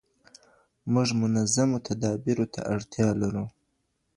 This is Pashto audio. موږ منظمو تدابيرو ته اړتيا لرو.